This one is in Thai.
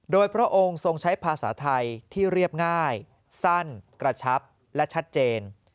โดยพระองค์ทรงใช้ภาษาไทยที่เรียบง่ายสั้นกระชับและชัดเจน